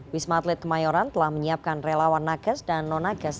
wisma atlet kemayoran telah menyiapkan relawan nakes dan non nakes